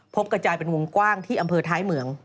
กระจายเป็นวงกว้างที่อำเภอท้ายเหมือง